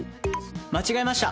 「間違えました！